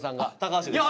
橋です。